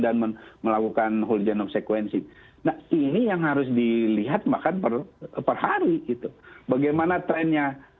dan melakukan whole genome sequencing nah ini yang harus dilihat makan perhari itu bagaimana trendnya